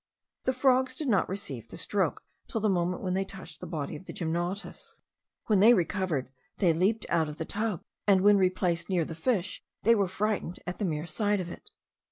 The frogs did not receive the stroke till the moment when they touched the body of the gymnotus. When they recovered, they leaped out of the tub; and when replaced near the fish, they were frightened at the mere sight of it.